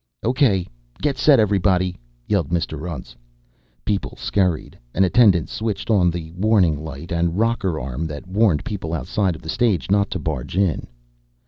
"Okay get set, everybody!" yelled Mr. Untz. People scurried. An attendant switched on the warning light and rocker arm that warned people outside of the stage not to barge in.